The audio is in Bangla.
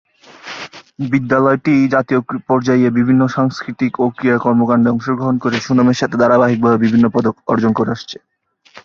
বিদ্যালয়টি জাতীয় পর্যায়ে বিভিন্ন সাংস্কৃতিক ও ক্রীড়া কর্মকাণ্ডে অংশগ্রহণ করে সুনামের সাথে ধারাবাহিকভাবে বিভিন্ন পদক অর্জন করে আসছে।